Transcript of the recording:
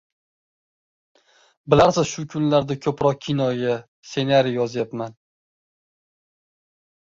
Bilarsiz, shu kunlarda ko‘proq kinoga stsenariylar yozyapman.